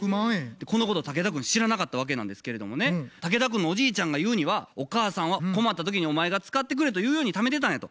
このこと竹田くん知らなかったわけなんですけれどもね竹田くんのおじいちゃんが言うには「お母さんは困った時にお前が使ってくれというようにためてたんや」と。